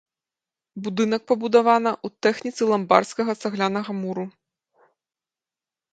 Будынак пабудавана ў тэхніцы ламбардскага цаглянага муру.